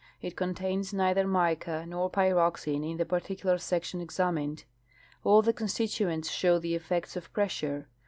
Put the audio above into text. It contains neither mica nor pyroxene in the particular section examined. All the constitu ents show^ the effects of pressure.